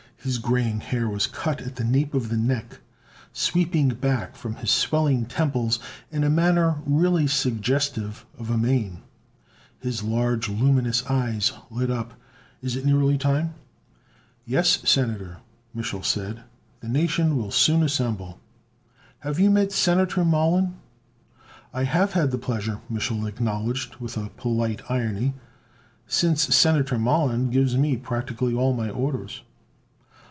His graying hair was cut at the nape of his neck, sweeping back from his swelling temples in a manner really suggestive of a mane. His large, luminous eyes lit up. "Is it nearly time?" "Yes, Senator," Mich'l said. "The nation will soon assemble." "You have met Senator Mollon?" "I have had the pleasure," Mich'l acknowledged with polite irony, "since Senator Mollon gives me practically all my orders."